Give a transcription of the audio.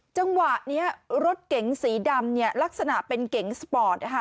จังหวะรถเก๋งสีดำลักษณะเป็นเก๋งสปอท